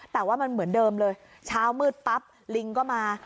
แต่ว่ามันเหมือนเดิมเลยเช้ามืดปั๊บลิงก็มา